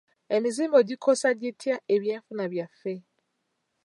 Emizimbo gikosa gitya eby'enfuna byaffe.